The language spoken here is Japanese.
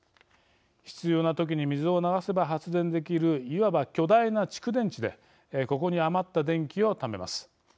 必要な時に水を流せば発電できるいわば巨大な蓄電池でここに余った電気をためます。